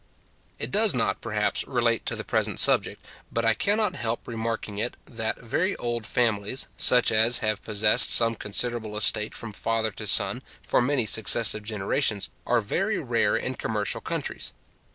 It does not, perhaps, relate to the present subject, but I cannot help remarking it, that very old families, such as have possessed some considerable estate from father to son for many successive generations, are very rare in commercial countries.